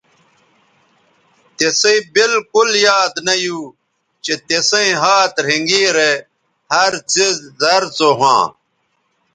تِسئ بالکل یاد نہ یو چہء تسئیں ھات رھینگیرے ھر څیز زر سو ھواں